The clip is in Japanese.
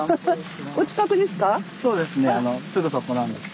お近くですか？